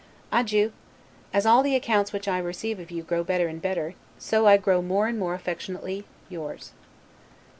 Adieu! As all the accounts which I receive of you grow better and better, so I grow more and more affectionately, Yours.